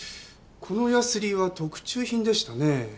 このヤスリは特注品でしたね。